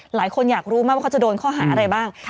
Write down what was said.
หลายคนอยากรู้มากว่าเขาจะโดนข้อหาอะไรบ้าง